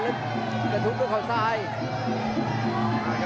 แล้วถูกด้วยข้อซ้าย